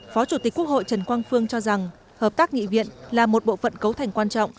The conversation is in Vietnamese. phó chủ tịch quốc hội trần quang phương cho rằng hợp tác nghị viện là một bộ phận cấu thành quan trọng